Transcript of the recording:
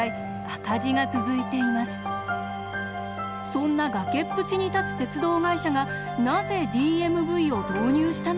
そんな崖っぷちに立つ鉄道会社がなぜＤＭＶを導入したのでしょうか？